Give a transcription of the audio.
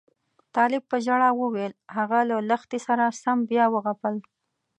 طالب په ژړا وویل هغه له لښتې سره سم بیا وغپل.